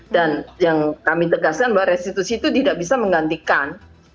dan yang kami tegaskan bahwa restitusi itu tidak bisa menggantikan